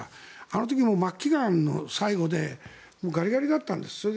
あの時も末期がんの最後でガリガリだったんです。